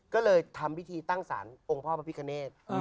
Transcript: ก็เลยทำพิธีตั้งสารองค์พ่อพระพิคเนธ